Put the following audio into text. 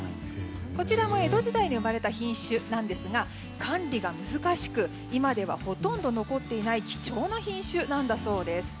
こちらも江戸時代に生まれた品種ですが管理が難しく今では、ほとんど残っていない貴重な品種なんだそうです。